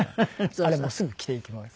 あれもうすぐ着ていきます。